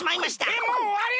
えっもうおわり！？